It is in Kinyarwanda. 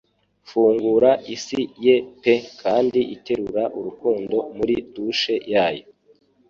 Fungura isi ye pe kandi iterura urukundo muri douche yayo.